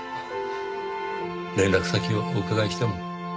連絡先をお伺いしても？